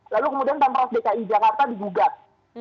lalu kemudian mprdki jakarta digugat